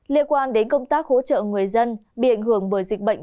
liên quan đến công tác hỗ trợ người dân bị ảnh hưởng bởi dịch bệnh